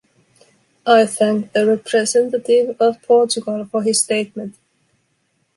I thank the representative of Portugal for his statement.